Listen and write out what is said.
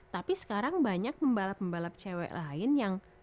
tapi sekarang banyak pembalap pembalap cewek lain yang